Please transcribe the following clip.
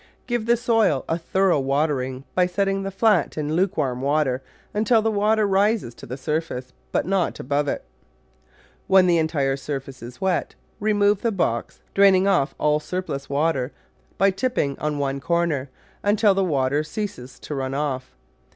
Give the soil a thorough watering by setting the flat in lukewarm water until the water rises to the surface, but not above it. When the entire surface is wet, remove the box, draining off all surplus water by tipping on one corner, until the water ceases to run off.